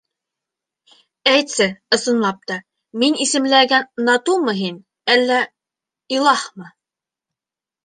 Әйтсе, ысынлап та, мин исемләгән Натумы һин, әллә... илаһмы?